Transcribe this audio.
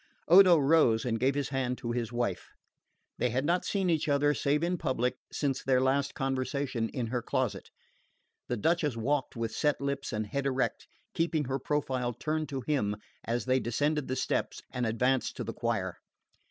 Odo rose and gave his hand to his wife. They had not seen each other, save in public, since their last conversation in her closet. The Duchess walked with set lips and head erect, keeping her profile turned to him as they descended the steps and advanced to the choir.